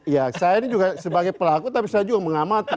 ya saya ini juga sebagai pelaku tapi saya juga mengamati